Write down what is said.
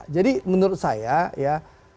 jadi menurut saya ya